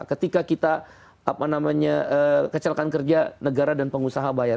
ketika kita kecelakaan kerja negara dan pengusaha bayar